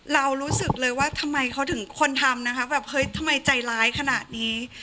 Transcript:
เรารู้สึกเลยว่าทำไมเขาถึงคนทำนะคะแบบเฮ้ยทำไมใจร้ายขนาดนี้